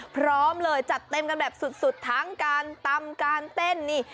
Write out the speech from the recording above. พร้อมเลยจัดเต็มกันแบบสุดทั้งการตำการเต้นนี่